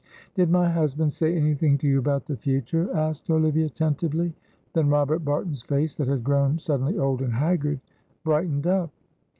"Did my husband say anything to you about the future?" asked Olivia, tentatively; then Robert Barton's face, that had grown suddenly old and haggard, brightened up.